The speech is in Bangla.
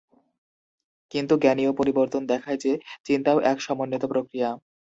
কিন্তু, জ্ঞানীয় পরিবর্তন দেখায় যে, চিন্তাও এক সমন্বিত প্রক্রিয়া।